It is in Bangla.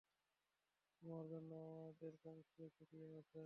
তোমার জন্য আমাদের বংশীয় চুড়িও আছে।